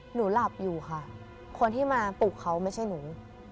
หนูหลับอยู่ค่ะคนที่มาปลุกเขาไม่ใช่หนู